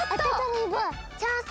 チャンス？